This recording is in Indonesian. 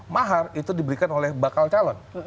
mahar itu diberikan oleh bakal calon